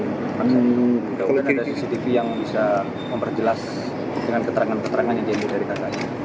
mudah mudahan ada cctv yang bisa memperjelas dengan keterangan keterangan yang diambil dari kakaknya